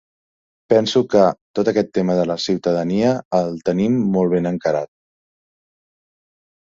Penso que, tot aquest tema de la ciutadania, el tenim molt ben encarat.